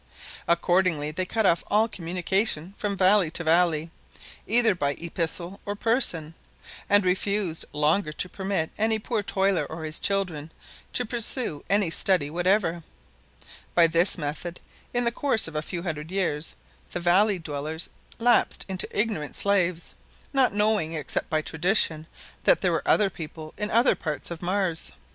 Accordingly they cut off all communication from valley to valley, either by epistle or person, and refused longer to permit any poor toiler, or his children, to pursue any study whatever. By this method, in the course of a few hundred years, the valley dwellers lapsed into ignorant slaves, not knowing, except by tradition, that there were other people in other parts of Mars.